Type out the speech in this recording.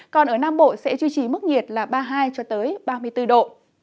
còn ở nam bộ sẽ duy trì mức nhiệt là ba mươi hai cho tới ba mươi bốn độ